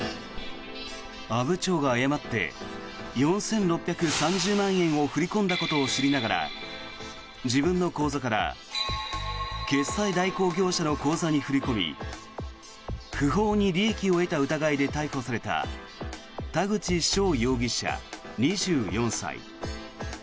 阿武町が誤って４６３０万円を振り込んだことを知りながら自分の口座から決済代行業者の口座に振り込み不法に利益を得た疑いで逮捕された田口翔容疑者、２４歳。